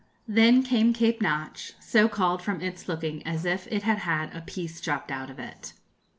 Then came Cape Notch, so called from its looking as if it had had a piece chopped out of it.